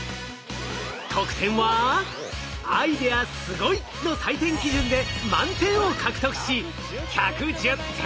得点は「アイデア」「すごい！」の採点基準で満点を獲得し１１０点。